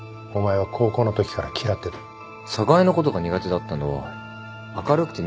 寒河江のことが苦手だったのは明るくて人気者だったからです。